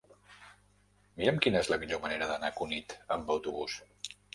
Mira'm quina és la millor manera d'anar a Cunit amb autobús.